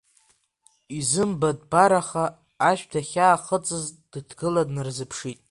Изымбатәбараха ашә дахьаахыҵыз дыҭгыла днарзыԥшит.